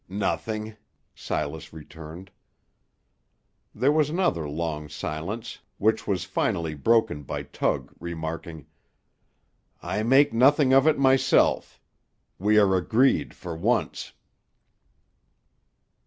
"Nothing," Silas returned. There was another long silence, which was finally broken by Tug remarking, "I make nothing of it, myself. We are agreed for once."